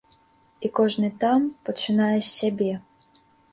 І кожны там пачынае з сябе.